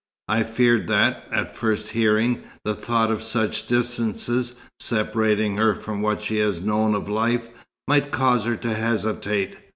I feared that, at first hearing, the thought of such distances, separating her from what she has known of life, might cause her to hesitate.